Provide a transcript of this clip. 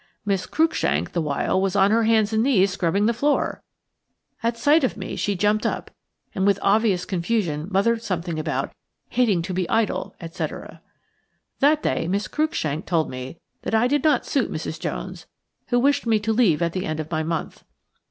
Miss Cruikshank the while was on her hands and knees scrubbing the floor. At sight of me she jumped up, and with obvious confusion muttered something about "hating to be idle," etc. That day Miss Cruikshank told me that I did not suit Mrs. Jones, who wished me to leave at the end of my month.